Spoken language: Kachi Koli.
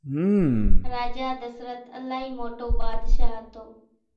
راجا ڌسرت الائِي موٽو ٻاڌشاھ ھتو۔